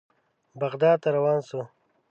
بغداد ته روان شوو.